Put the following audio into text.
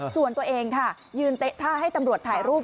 ส่วนตัวเองค่ะยืนเต๊ะท่าให้ตำรวจถ่ายรูป